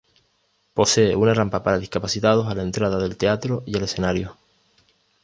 Posee una rampa para discapacitados a la entrada del teatro y al escenario.